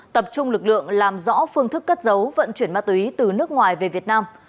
tập trung lực lượng làm rõ phương thức cất giấu vận chuyển ma túy từ nước ngoài về việt nam